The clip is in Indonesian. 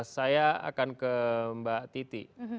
saya akan ke mbak titi